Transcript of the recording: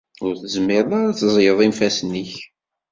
Ur tezmireḍ ara ad teẓẓleḍ ifassen-ik?